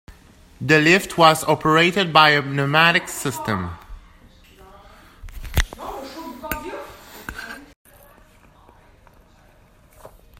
The lift was operated by a pneumatic system.